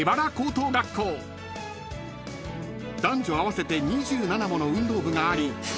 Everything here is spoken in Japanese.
［男女合わせて２７もの運動部があり］